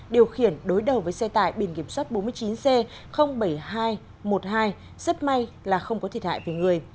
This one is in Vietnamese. điều khiển đối đầu với xe tải biển kiểm soát bốn mươi chín c bảy nghìn hai trăm một mươi hai rất may là không có thiệt hại về người